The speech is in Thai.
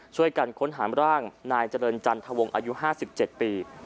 ช่วยกันค้นหามร่างนายเจริญจันทวงอายุ๕๗ปี